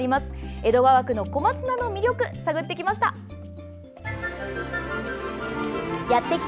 江戸川区の小松菜の魅力探ってきました。